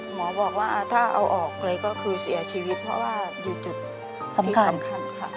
หมอบอกว่าถ้าเอาออกเลยก็คือเสียชีวิตเพราะว่าอยู่จุดสำคัญค่ะ